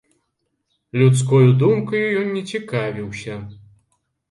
Людскою думкаю ён не цікавіўся.